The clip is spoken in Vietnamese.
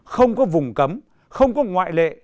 không có vùng cấm không có ngoại lệ